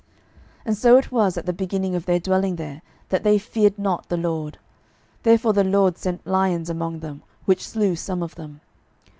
12:017:025 And so it was at the beginning of their dwelling there, that they feared not the LORD: therefore the LORD sent lions among them, which slew some of them.